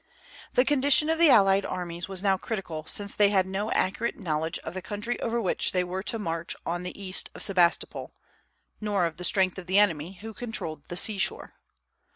The condition of the allied armies was now critical, since they had no accurate knowledge of the country over which they were to march on the east of Sebastopol, nor of the strength of the enemy, who controlled the sea shore.